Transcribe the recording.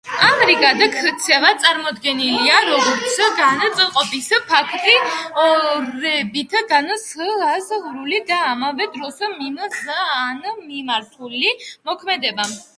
ამრიგად, ქცევა წარმოდგენილია, როგორც განწყობის ფაქტორებით განსაზღვრული და ამავე დროს მიზანმიმართული მოქმედება.